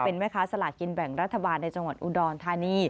เป็นแม่ค้าสลากินแบ่งรัฐบาลในจังหวัดอุดรธานี